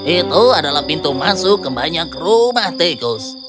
itu adalah pintu masuk ke banyak rumah tikus